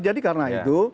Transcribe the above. jadi karena itu